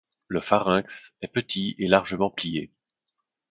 Le pharynx est petit et largement plié.